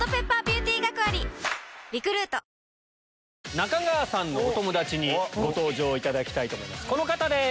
中川さんのお友達にご登場いただきますこの方です！